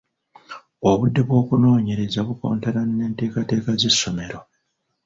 Obudde bw’okunoonyereza bukontana n’enteekateeka z’essomero.